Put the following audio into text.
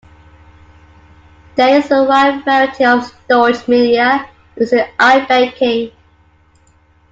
There is a wide variety of storage media used in eye banking.